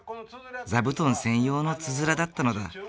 座布団専用のつづらだったのだ。